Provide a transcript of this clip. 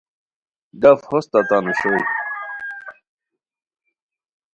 ڈف ہوستہ تان اوشوئے